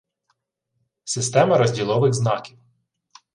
Система розділових знаків